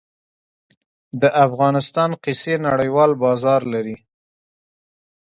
د افغانستان قیسی نړیوال بازار لري